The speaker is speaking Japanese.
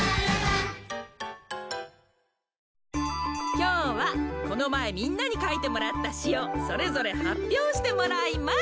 きょうはこのまえみんなにかいてもらったしをそれぞれはっぴょうしてもらいます。